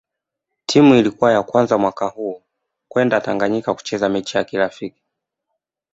Timu Ilikuwa ya kwanza mwaka huo kwenda Tanganyika kucheza mechi ya kirafiki